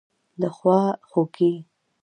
دخوا خوګۍ